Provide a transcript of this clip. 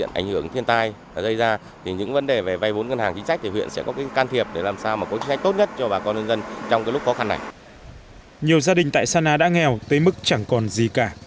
nhiều gia đình tại sa ná đã nghèo tới mức chẳng còn gì cả